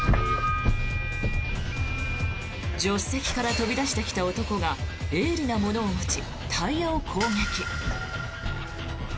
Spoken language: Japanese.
助手席から飛び出してきた男が鋭利なものを持ちタイヤを攻撃。